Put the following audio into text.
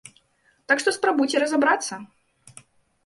Так што спрабуйце разабрацца!